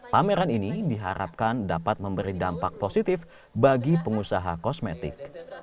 pameran ini diharapkan dapat memberi dampak positif bagi pengusaha kosmetik